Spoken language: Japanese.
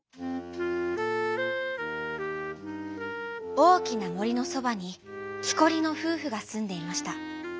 おおきなもりのそばにきこりのふうふがすんでいました。